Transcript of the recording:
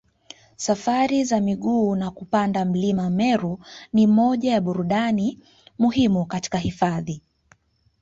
Safari za miguu na kupanda mlima Meru ni moja ya burudani muhimu katika hifadhi